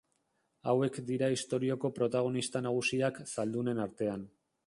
Hauek dira istorioko protagonista nagusiak zaldunen artean.